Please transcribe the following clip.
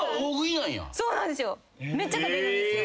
めっちゃ食べるんですよ。